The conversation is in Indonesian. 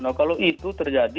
nah kalau itu terjadi